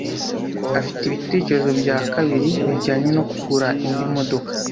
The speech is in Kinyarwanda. Afite ibitekerezo bya kabiri bijyanye no kugura indi modoka.